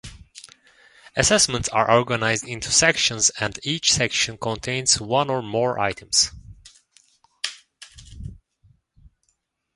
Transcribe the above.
Assessments are organized into "Sections" and each Section contains one or more "Items".